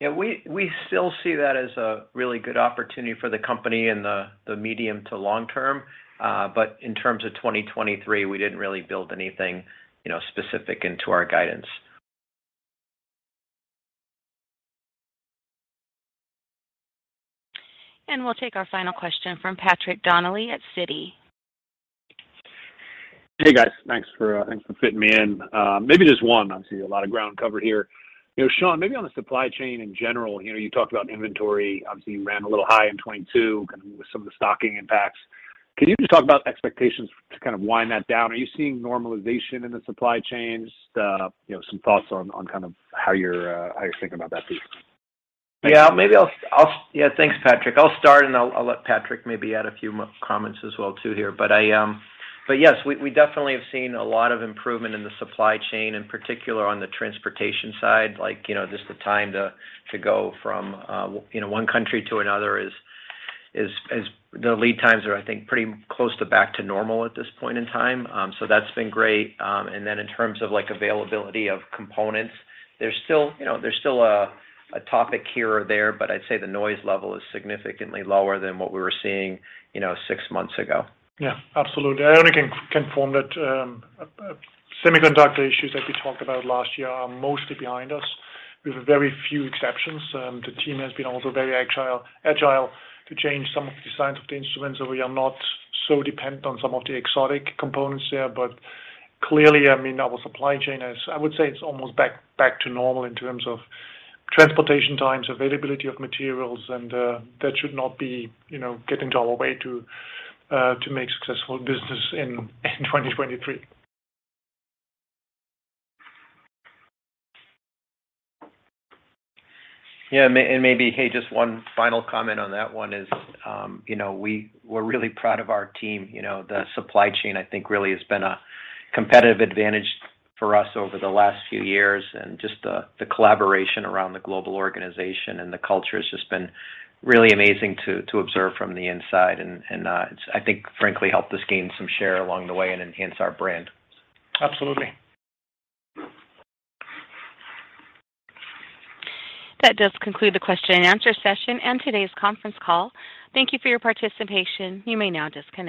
Yeah, we still see that as a really good opportunity for the company in the medium to long term. But in terms of 2023, we didn't really build anything, you know, specific into our guidance. We'll take our final question from Patrick Donnelly at Citi. Hey, guys. Thanks for, thanks for fitting me in. Maybe just one. Obviously, a lot of ground covered here. You know, Shawn Vadala, maybe on the supply chain in general, you know, you talked about inventory. Obviously, you ran a little high in 2022 with some of the stocking impacts. Can you just talk about expectations to kind of wind that down? Are you seeing normalization in the supply chains? You know, some thoughts on kind of how you're, how you're thinking about that piece. Yeah, thanks, Patrick. I'll start, and I'll let Patrick maybe add a few comments as well too here. Yes, we definitely have seen a lot of improvement in the supply chain, in particular on the transportation side. You know, just the time to go from, you know, one country to another is the lead times are, I think, pretty close to back to normal at this point in time. That's been great. In terms of, like, availability of components, there's still, you know, there's still a topic here or there, but I'd say the noise level is significantly lower than what we were seeing, you know, six months ago. Absolutely. I only can confirm that semiconductor issues that we talked about last year are mostly behind us with very few exceptions. The team has been also very agile to change some of the designs of the instruments, so we are not so dependent on some of the exotic components there. Clearly, I mean, our supply chain is, I would say it's almost back to normal in terms of transportation times, availability of materials, and that should not be, you know, get into our way to make successful business in 2023. Yeah. Maybe, hey, just one final comment on that one is, you know, we're really proud of our team. You know, the supply chain, I think, really has been a competitive advantage for us over the last few years and just the collaboration around the global organization and the culture has just been really amazing to observe from the inside and it's, I think, frankly, helped us gain some share along the way and enhance our brand. Absolutely. That does conclude the question and answer session and today's conference call. Thank you for your participation. You may now disconnect.